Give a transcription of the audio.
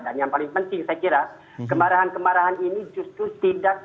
yang paling penting saya kira kemarahan kemarahan ini justru tidak